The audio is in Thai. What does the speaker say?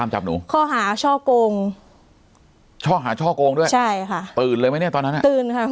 ช่องหาช่องโกงช่องหาช่องโกงด้วยใช่ค่ะตื่นเลยมั้ยเนี้ยตอนนั้นตื่นค่ะ